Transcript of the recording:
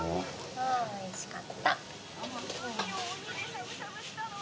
あぁおいしかった。